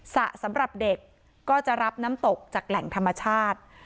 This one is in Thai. สระสำหรับเด็กก็จะรับน้ำตกจากแหล่งธรรมชาติ